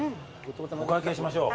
お会計しましょう。